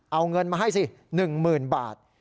เอาเงินมาให้สิ๑๐๐๐บาท